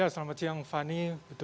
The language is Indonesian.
selamat siang fani